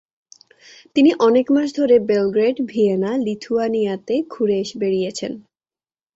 তিনি অনেক মাস ধরে বেলগ্রেড, ভিয়েনা, লিথুয়ানিয়াতে ঘুরে বেড়িয়েছেন।